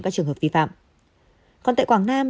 các trường hợp vi phạm còn tại quảng nam